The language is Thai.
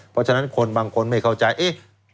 เพราะฉะนั้นคนบางคนไม่เข้าใจเอ๊ะ